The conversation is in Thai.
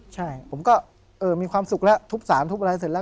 ใช่ผมก็มีความสุขแล้วทุบสารทุบอะไรเสร็จแล้ว